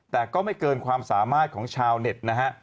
แต่ก็ไม่เกินความสามารถของชาวเน็ตนะฮะ